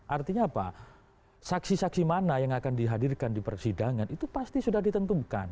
artinya apa saksi saksi mana yang akan dihadirkan di persidangan itu pasti sudah ditentukan